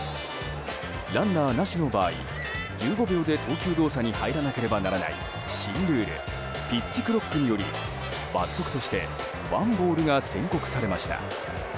ランナーなしの場合、１５秒で投球動作に入らなければならない新ルール、ピッチクロックにより罰則としてワンボールが宣告されました。